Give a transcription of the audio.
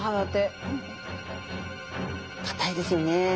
硬いですよね。